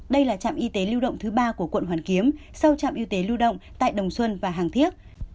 đây là trạm y tế lưu động thứ ba của quận hoàn kiếm sau trạm y tế lưu động tại đồng xuân và hàng thiết